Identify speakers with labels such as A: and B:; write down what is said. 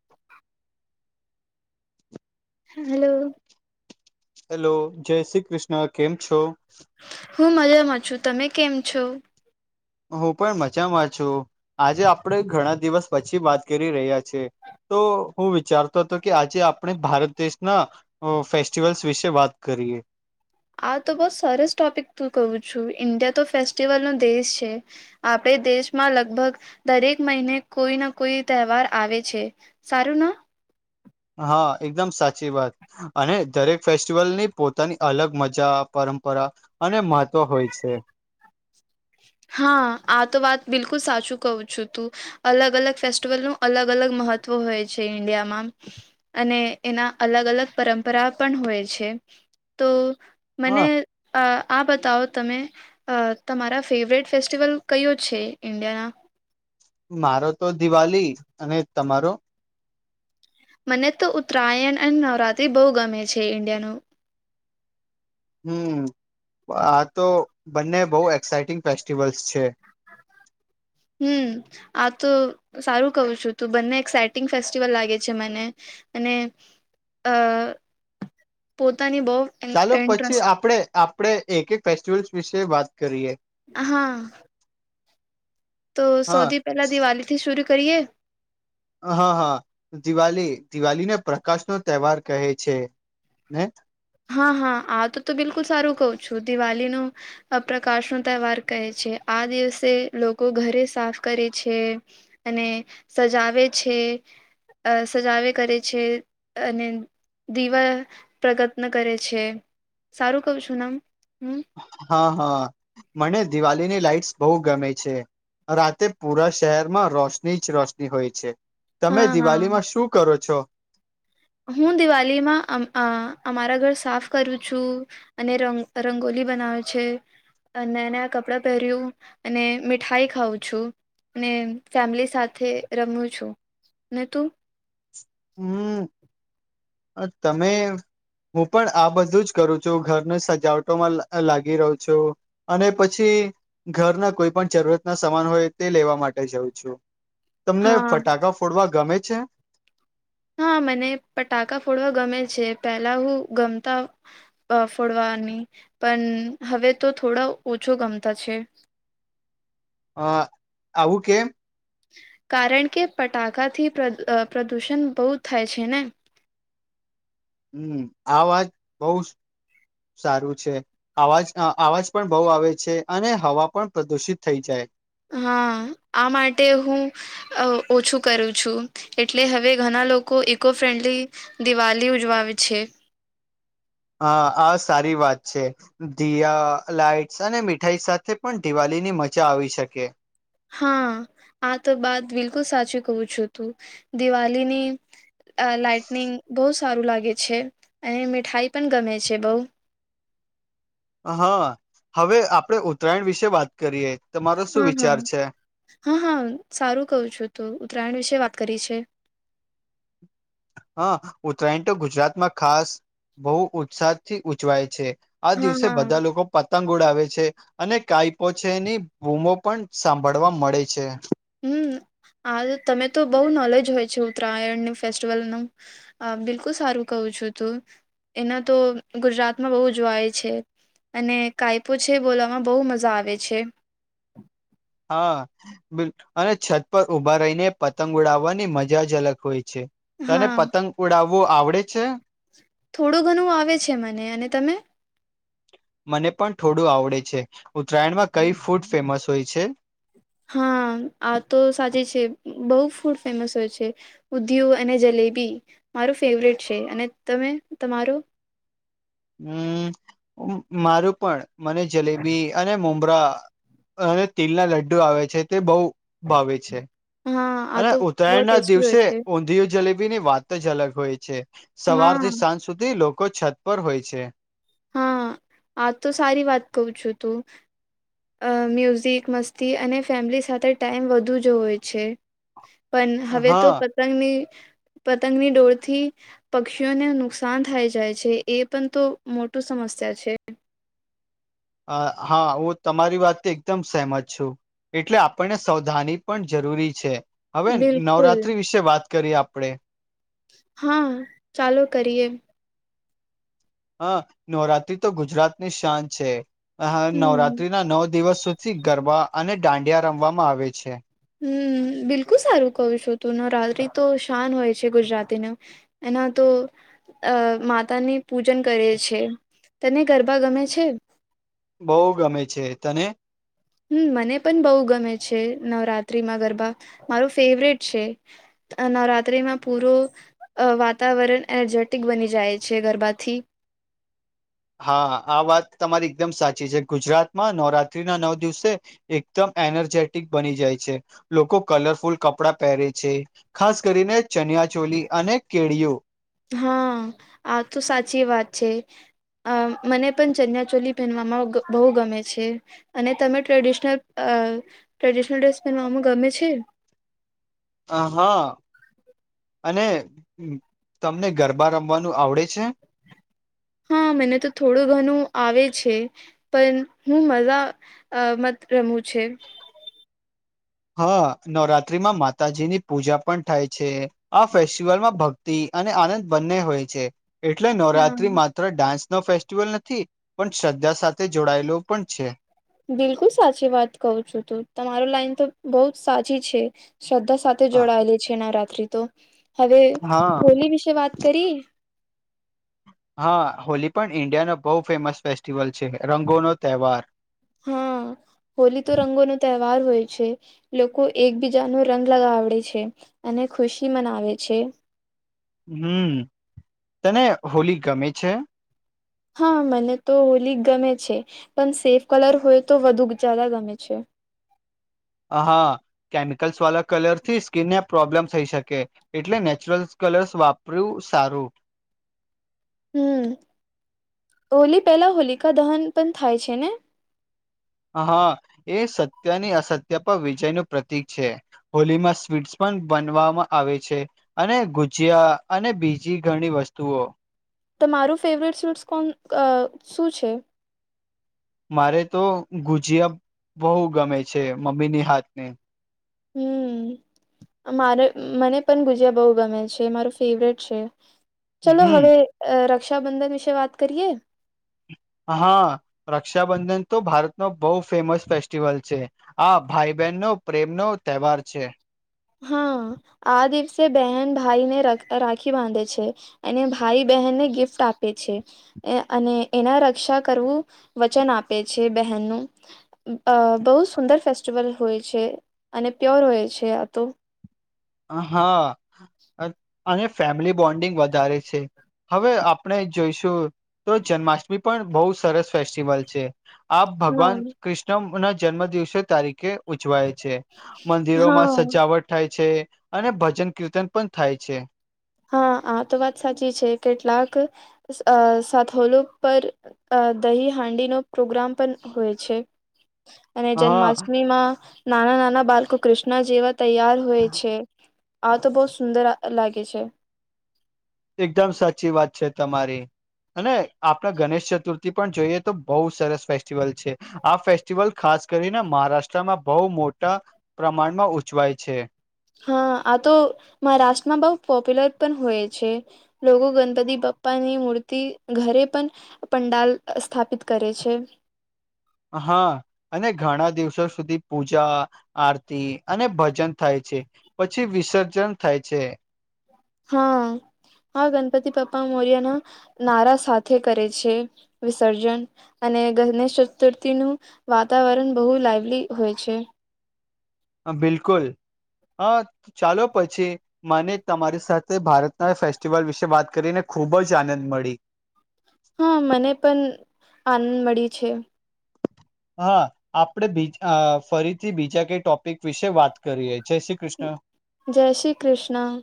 A: [inaudible] Hello
B: hello જય શ્રી કૃષ્ણ કેમ છો
A: હું મજામાં છું તમે કેમ છો
B: હું પણ મજામાં છું આજે આપડે ઘણા દિવસ પછી વાત કરી રહ્યા છે તો હું વિચારતો હતો કે આજે આપણે ભારત દેશના અહ ફેસ્ટિવલ્સ વિશે વાત કરીએ.
A: આ તો બઉ સરસ ટોપિક તું કહું છું, ઇન્ડિયા તો ફેસ્ટિવલ નો દેશ છે. આપણે દેશમાં લગભગ દરેક મહિને કોઈ ના કોઈ તહેવાર આવે છે. સારું ના?
B: હા, એકદમ સાચી વાત. અને દરેક ફેસ્ટિવલ ની પોતાની અલગ મજા, પરંપરા અને મહત્વ હોય છે. [inaudible]
A: હા. આ તો વાત બિલકુલ સાચું કહું છું તું. અલગ-અલગ ફેસ્ટિવલનું અલગ-અલગ મહત્વ હોય છે ઈન્ડિયામાં. અને એના અલગ-અલગ પરંપરા પણ હોય છે, તો મને
B: હા
A: આ બતાવો તમે અહ તમારા ફેવરેટ ફેસ્ટિવલ કયો છે ઇન્ડિયાના?
B: મારો તો દિવાલી. અને તમારો?
A: મને તો ઉત્તરાયણ અને નવરાત્રી બહુ ગમે છે ઈન્ડિયાનું.
B: હમ્મ. આ તો બંને બહુ એક્સાઈટિંગ ફેસ્ટિવલ્સ છે.
A: હમ્મ. આ તો સારું કહું છું, તું બંને એક્સાઇટિંગ ફેસ્ટિવલ લાગે છે મને. અને અહ પોતાની બહુ
B: ચાલો પછી
A: ઇન્ટરેસ્ટ
B: આપણે-આપણે એક-એક ફેસ્ટિવલ્સ વિશે વાત કરીએ.
A: હા. તો
B: હા
A: સૌથી પહેલા દિવાળી થી શુરુ કરીએ?
B: હા, હા. દિવાલી. દિવાલીને પ્રકાશ નો તહેવાર કહે છે. ને
A: હા, હા આ તો તું બિલકુલ સારું કહું છું. દિવાલીનું અહ પ્રકાશ નો તહેવાર કહે છે. આ દિવસે લોકો ઘરે સાફ કરે છે. અને સજાવે છે. અહ સજાવે કરે છે, અને દીવા પ્રગટ [unintelligible] કરે છે, સારું કવ છું ના, હમ્મ?
B: હા, હા મને દિવાલીની લાઈટસ બહુ ગમે છે. રાતે પુરા શહેરમાં રોશની જ રોશની હોય છે. તમે
A: હા
B: દિવાલી માં
A: હા
B: શું કરો છો?
A: હું દિવાલીમાં અમ અમારા ઘર સાફ કરું છું. અને રંગ રંગોલી બનાવે છે. અહ નયા-નયા કપડાં પહેર્યું, અને મીઠાઈ ખાઉં છું. ને ફેમિલી સાથે રમું છું. ને તું?
B: હમ્મ. અહ તમે હું પણ આ બધું જ કરું છું. ઘર નું સજાવટોમાં લા લાગી રહુ છું. અને પછી ઘરના કોઈ પણ જરૂરત ના સમાન હોય તે લેવા માટે જઉં છું. તમને
A: હા
B: ફટાકા ફોડવા ગમે છે?
A: હા મને ફટાકા ફોડવા ગમે છે. પેલા હું ગમતા અહ ફોડવાની, પણ હવે તો થોડા ઓછો ગમતા છે.
B: અહ, આવું કેમ?
A: કારણ કે પટાકાથી પ્ર પ્રદૂષણ બહુ થાય છે ને.
B: હમ્મ, આ વાત બહું સારું છે. અવાજ -અવાજ પણ બહુ આવે છે, અને હવા પણ પ્રદુષિત થઈ જાય.
A: હા. આ માટે હું અહ ઓછું કરું છું, એટલે હવે ઘના લોકો ઇકો ફ્રેન્ડલી દિવાલી ઉજવાવે છે.
B: હા, આ સારી વાત છે. દીયા લાઈટસ અને મીઠાઈ સાથે પણ દિવાળી ની મજા આવી શકે.
A: હા આ તો બાત બિલકુલ સાચી કઉ છું તું દિવાળીની આ લાઈટનિંગ બહુ સારું લાગે છે અને મીઠાઈ પણ ગમે છે બઉ.
B: હા હવે આપણેે ઉત્તરાયણ વિશે વાત કરીએ. તમારો શું
A: હા હા
B: વિચાર છે
A: હા હા સારું કઉં છું તુ ઉત્તરાયણ વિશે વાત કરી છે.
B: હા ઉત્તરાયણ તો ગુજરાતમાં ખાસ બહુ ઉત્સાહથી ઉજવાય છે. આ
A: હા
B: દિવસે
A: હા
B: બધા લોકો પતંગ ઉડાવે છે અને કાઈપો છેની બૂમો પણ સાંભળવા મળે છે.
A: હમ્મ આ તમે તો બઉ નોલેજ હોય છે ઉત્તરાયણ ને ફેસ્ટિવલ નો આ બિલકુલ સારું કહું છું તું એના તો ગુજરાતમાં બહુ જોવાય છે. અને કાયપો છે બોલવામાં બહુ મજા આવે છે.
B: હા. બિલ અને છત પર ઉભા રહીને પતંગ ઉડાવવાની મજા જ અલગ હોય છે. તને
A: હા
B: પતંગ ઉડાવવું આવડે છે.
A: થોડું ઘણું આવે છે મને અને તમે.
B: મને પણ થોડું આવડે છે ઉત્તરાયણમાં કઈ ફુટ ફેમસ હોય છે.
A: હા આ તો સાચે છે બહુ ફૂટ ફેમસ હોય છે. ઉંધીયું અને જલેબી મારું ફેવરેટ છે અને તમે તમારું.
B: હમ્મ મ મારું પણ મને જલેબી અને મોમર અને તિલના લડ્ડુ આવે છે તે બહુ ભાવે છે.
A: હા આ
B: અને
A: તો બહુ
B: ઉત્તરાયણ ના
A: ટેસ્ટી હોય
B: દિવસે
A: છે
B: ઉંધીયું જલેબી બી ની વાત જ અલગ હોય છે સવાર થી
A: હા
B: સાંજ સુધી લોકો છત પર હોય છે.
A: હા આ તો સારી વાત કઉ છો તું. અ મ્યુઝિક મસ્તી અને ફેમિલી સાથે ટાઈમ વધુ જો હોય છે. પણ હવે તો
B: હા
A: પતંગની પતંગની ડોરથી પક્ષીઓને નુકસાન થાય જાય છે એ પણ તો મોટું સમસ્યા છે.
B: અ હા હું તમારી વાત થી એકદમ સહેમત છું. એટલે આપણને સવધાની પણ જરૂરી છે હવે
A: બિલકુલ
B: નવરાતિ વિશે વાત કરીએ આપણે.
A: હા ચાલુ કરીએ.
B: હા નવરાત્રી તો ગુજરાત ની શાન છે આ
A: હમ
B: નવરાત્રી ના નવ દિવસ સુધ [unintelligible] ગરબા અને દાંડિયા રમવામાં આવે છે.
A: હમ્મ બિલકુલ સારું કહું છું તું નવરાત્રી તો શાન હોય છે ગુજરાતીના. એના તો અ માતાની પૂજન કરે છે તને ગરબા ગમે છે.
B: બહુ ગમે છે તને.
A: હમ્મ મને પણ બહુ ગમે છે નવરાત્રીમાં ગરબા મારું ફેવરેટ છે. આ નવરાત્રીમાં પૂરો અ વાતાવરણ એનર્જેટિક બની જાય છે ગરબાથી.
B: હા આ વાત તમારી એકદમ સાચી છે ગુજરાતમાં નવરાત્રી ના નવ દિવસે એકદમ એનર્જેટિક બની જાય છે લોકો કલરફુલ કપડા પહેરે છે. ખાસ કરીને ચનિયા ચોલી અને કેળિઓ.
A: હા આ તો સાચી વાત છે. અ મને પણ ચનિયા ચોલી પહેનવામાં ગ બહુ ગમે છે. અને તમે ટ્રેડિશનલ અ ટ્રેડિશનલ ડ્રેસ પહેરવાનું ગમે છે.
B: અ હા અને તમને ગરબા રમવાનું આવડે છે.
A: હા મને તો થોડું ઘણું આવે છે. પણ હું મજા આ માત્ર મુ છે.
B: હા નવરાત્રીમાં માતાજીની પૂજા પણ થાય છે. આ ફેસ્ટિવલમાં ભક્તિ અને આનંદ બંને હોય છે એટલે
A: હા
B: નવરાત્રીમાં માત્ર ડાન્સ નો ફેસ્ટિવલ નથી પણ શ્રદ્ધા સાથે જોડાયેલો પણ છે.
A: બિલકુલ સાચી વાત કું છું, તું તમારો લાઈન તો બહ સાચી છે. શ્રદ્ધા સાથે જોડાયેલી છે, નવરાત્રિ તો હવે
B: હા
A: હોલી વિશે વાત કરી.
B: હા હોલી પણ ઇન્ડિયાનો બહુ ફેમસ ફેસ્ટિવલ છે, રંગો નો તહેવાર.
A: હા
B: [inaudible]
A: હોલી તો રંગો નો તહેવાર હોય છે. લોકો એકબીજા નુ રંગ લગાવડે છે, અને ખુશી મનાવે છે.
B: હમ્મ તને હોલી ગમે છે.
A: હા મને તો હોલી ગમે છે, પણ સેફ કલર હોય તો વધુ જદા ગમે છે.
B: હા કેમિકલ્સ વાળા કલર થી સ્કીિન ને પ્રોબ્લેમ થઈ શકે. એટલે નેચરલ કલર્સ વાપર્યું સારું.
A: હમ હોલી પેલા હોલિકા દહન પણ થાય છે, ને.
B: હા એ સત્યની અસત્ય પર વિજય નું પ્રતિક છે. હોલીમાં સ્વીટ્ પણ બનવામાં આવે છે. અને ગુજિયા અને બીજી ઘણી વસ્તુઓ.
A: તો મારું ફેવરેટ સ્વિસ કોણ અ શું છે.
B: મારે તો ગુજીિયા બહુ ગમે છે, મમ્મી ની હાથ ને.
A: હમ. મારે મને પણ ગુજ્યા બહુ ગમે છે, માર ફેવરેટ છે. ચલો
B: હમ
A: હવે રક્ષાબંધન વિશે વાત કરીએ.
B: હા રક્ષાબંધન તો ભારત નો બહુ ફેમસ ફેસ્ટિવલ છે. આા ભાઈ બહેન નો પ્રેમ નો તહેવાર છે.
A: હા આ દિવસે બહેન ભાઈને ર રાખી બાંધે છે. અને ભાઈ બહેનને ગિફ્ટ આપે છે. અને એના રક્ષા કરવું વચન આપે છે, બહેનનું. અ બહુ સુંદર ફેસ્ટિવલ હોય છે, અને પ્યોર હોય છે આ તો
B: હા અને ફેમિલી બોન્ડિંગ વધારે છે, હવે આપણે. જોઈશું તો જન્માષ્ટમી પણ બહ સરસ ફેસ્ટિવલ છે, આપ
A: હા
B: ભગવાન કૃષ્ણ [unintelligible] જન્મ દિવસે તારીખે ઉજવાય છે, મંદિરોમાં
A: હા
B: સજાવટ થાય છે. અને ભજન કીર્તન પણ થાય છે.
A: હા આ તો વાત સાચી છે, કેટલાક સાથોલો પર. અ દહી હાંડી નો પ્રોગ્રામ પણ હોય છે. અને
B: હા
A: જન્માષ્ટમીમાં નાના નાના બાળકો કૃષ્ણ જેવા. તૈયાર હોય છે, આ તો બહુત સુંદર લાગે છે.
B: એકદમ સાચી વાત છે, તમારી. અને આપણા ગણેશ ચતુર્થી પણ જોઈએ તો બહુ સરસ ફેસ્ટિવલ છે, આ ફેસ ટિવલ ખાસ કરીને મહારાષ્ટ્રમાં બહુ મોટા પ્રમાણમાં ઉજવાય છે.
A: હા આ તો મહારાષ્ટ્રમાં બઉુ પોપ્યુલર પણ હોય છે. લોકો ગણપતિ બાપ્પાની મૂર્તિ ઘરે પણ. પંડાલ સ્થાપિત કરે છે.
B: હા. અને ઘણા દિવસો સુધી પૂજા આરતી અને ભજન થાય છે. પછી વિસર્જન થાય છે.
A: હા હા ગણપતિ બાપ્પા મોરિયા નારા સાથે કરે છે, વિસર્જન. અને ગણેશ ચતુર્થી નું વાતાવરણ બહુ લાઈવલી હોય છે.
B: હ બિલકુલ હા ચાલો પછી. મને તમારી સાથે ભારતના ફેસ્ટિવલ વિશે વાત કરીને ખુબ જ આનંદ મળી
A: હા મને પણ આનંદ મળી છે
B: હા આપણે બી ફરીથી બીજા કઈ ટોપિક વિશે વાત કરીએ જય શ્રી કૃષ્ણ
A: જય શ્રી કૃષ્ણ